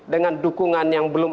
dengan dukungan yang belum